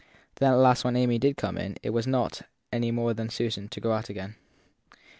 Then at last when Amy did come in it was not, any more than Susan, to go out again.